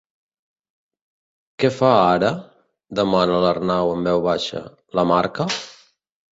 Què fa, ara? —demana l'Arnau en veu baixa— La marca?